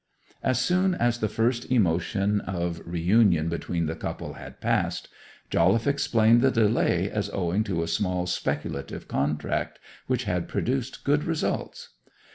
As soon as the first emotion of reunion between the couple had passed, Jolliffe explained the delay as owing to a small speculative contract, which had produced good results.